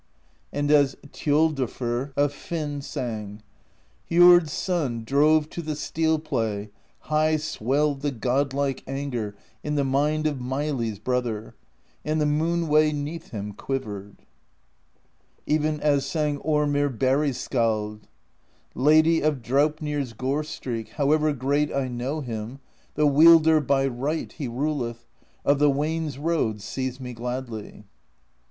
And as Thjodolfr of Hvin sang: Jord's Son drove to the steel play (High swelled the godlike anger In the mind of Meili's Brother), And the Moon Way 'neath him quivered. Even as sang Ormr Barrey's Skald : Lady of Draupnir's gore streak. However great I know him. THE POESY OF SKALDS 135 The wielder (by right he ruleth) Of the Wain's Road sees me gladly.